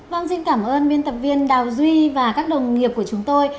vâng xin cảm ơn biên tập viên đào duy và các đồng nghiệp của chúng tôi